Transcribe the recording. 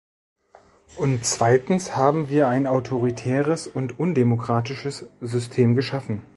Und zweitens haben wir ein autoritäres und undemokratisches System geschaffen.